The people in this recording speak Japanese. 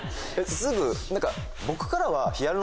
すぐ。